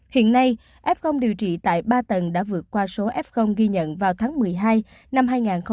hiện nay f điều trị tại ba tầng đã vượt qua số f ghi nhận vào tháng một mươi hai năm hai nghìn một mươi tám